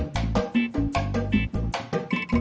kenapa justus ada disitu